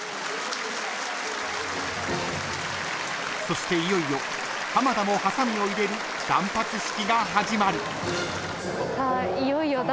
［そしていよいよ浜田もはさみを入れる断髪式が始まる］